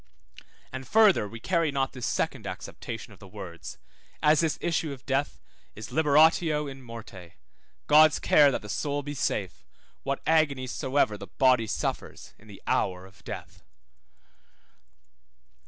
And further we carry not this second acceptation of the words, as this issue of death is liberatio in morte, God's care that the soul be safe, what agonies soever the body suffers in the hour of death.